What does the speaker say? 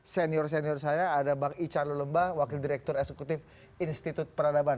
senior senior saya ada bang ican lulemba wakil direktur eksekutif institut peradaban